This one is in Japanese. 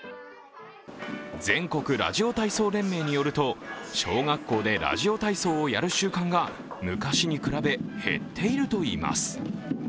全国ラジオ体操連盟によると小学校でラジオ体操をやる習慣が昔に比べ減っているといいます。